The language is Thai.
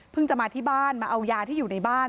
จะมาที่บ้านมาเอายาที่อยู่ในบ้าน